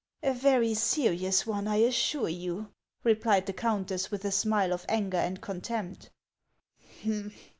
" A very serious one, I assure you," replied the countess, with a smile of anger and contempt.